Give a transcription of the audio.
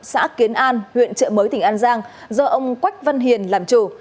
xã kiến an huyện trợ mới tỉnh an giang do ông quách văn hiền làm chủ